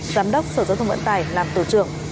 giám đốc sở giáo thông vận